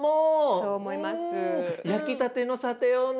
そう思います。